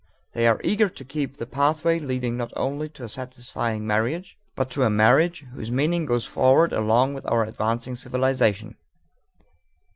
They are eager to keep to the pathway leading not only to a satisfying marriage but to a marriage whose meaning goes forward along with our advancing civilization.